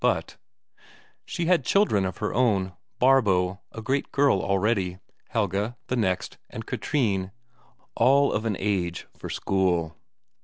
but ... she had children of her own Barbro, a great girl already, Helge, the next, and Kathrine, all of an age for school.